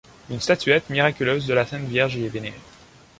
Une statuette miraculeuse de la sainte vierge y est vénérée.